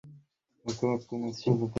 তোমার কথা সত্য হতে পারে না।